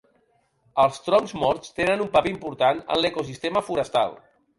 Els troncs morts tenen un paper important en l'ecosistema forestal.